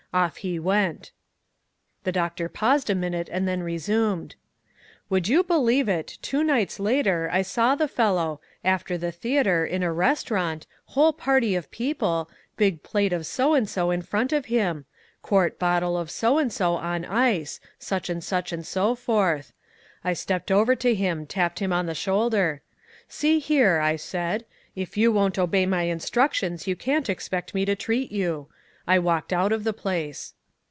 Off he went." The doctor paused a minute and then resumed: "Would you believe it two nights later, I saw the fellow after the theatre, in a restaurant whole party of people big plate of so and so in front of him quart bottle of so and so on ice such and such and so forth. I stepped over to him tapped him on the shoulder: 'See here,' I said, 'if you won't obey my instructions, you can't expect me to treat you.' I walked out of the place."